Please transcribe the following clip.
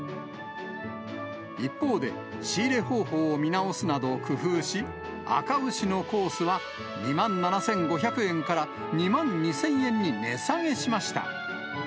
一方で、仕入れ方法を見直すなど工夫し、赤牛のコースは２万７５００円から２万２０００円に値下げしました。